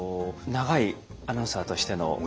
長いアナウンサーとしての。